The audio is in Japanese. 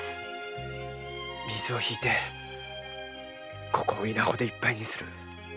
水を引いてここを稲穂でいっぱいにする。